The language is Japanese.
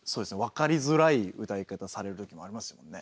分かりづらい歌い方されるときもありますもんね。